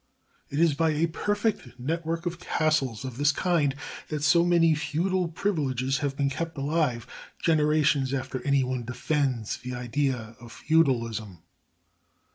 It is by a perfect network of castles of this kind that so many feudal privileges have been kept alive generations after anyone defends the idea of feudalism.